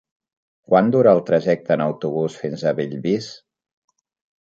Quant dura el trajecte en autobús fins a Bellvís?